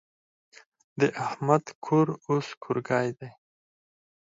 د احمد کور اوس کورګی دی.